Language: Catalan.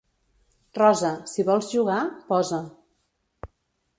Rosa, si vols jugar, posa.